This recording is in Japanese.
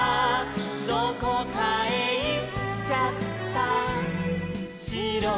「どこかへいっちゃったしろ」